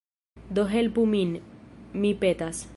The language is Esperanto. Do helpu min, mi petas.